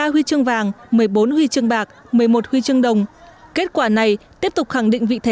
ba huy chương vàng một mươi bốn huy chương bạc một mươi một huy chương đồng kết quả này tiếp tục khẳng định vị thế